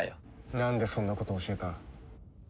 なんでそんなこと教えた？